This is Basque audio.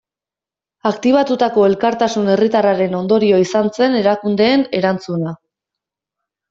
Aktibatutako elkartasun herritarraren ondorio izan zen erakundeen erantzuna.